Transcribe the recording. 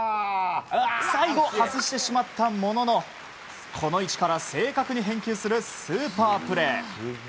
最後、外してしまったもののこの位置から正確に返球するスーパープレー。